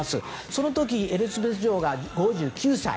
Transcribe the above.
その時エリザベス女王は５９歳。